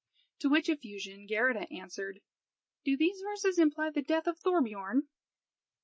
To which effusion Geirrida answered "Do these verses imply the death of Thorbiorn?"